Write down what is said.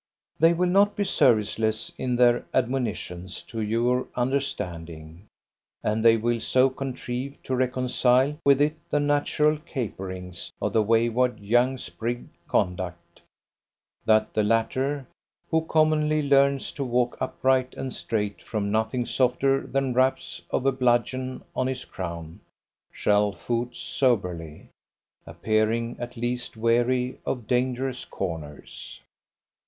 They will not be serviceless in their admonitions to your understanding, and they will so contrive to reconcile with it the natural caperings of the wayward young sprig Conduct, that the latter, who commonly learns to walk upright and straight from nothing softer than raps of a bludgeon on his crown, shall foot soberly, appearing at least wary of dangerous corners.